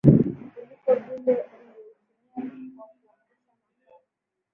kuliko vile ungeutumia kwa kuangusha makaa